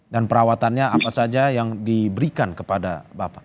dan perawatannya apa saja yang diberikan kepada bapak